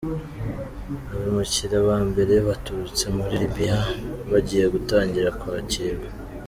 Abimukira ba mbere baturutse muri Libya bagiye gutangira kwakirwa.